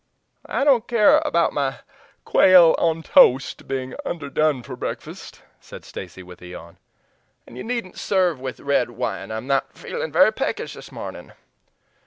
"I don't care about my quail on toast being underdone for breakfast," said Stacy, with a yawn; "and you needn't serve with red wine. I'm not feeling very peckish this morning."